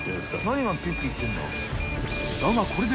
何が「ピッピ」いってるんだ？